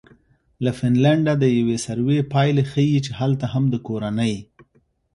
له فنلنډه د یوې سروې پایلې ښیي چې هلته هم د کورنۍ